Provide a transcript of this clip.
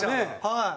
はい。